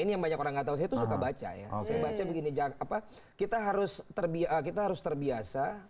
ini banyak orang atau itu suka baca ya oke begini jakarta kita harus terbiasa kita harus terbiasa